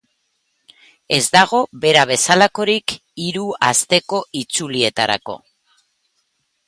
Ez dago bera bezalakorik hiru asteko itzulietarako.